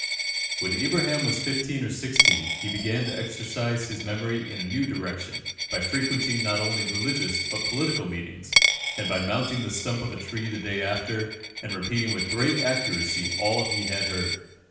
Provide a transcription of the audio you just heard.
When Abraham was fifteen or sixteen, he began to exercise his memory in a new direction, by frequenting not only religious but political meetings, and by mounting the stump of a tree the day after and repeating with great accuracy all he had heard.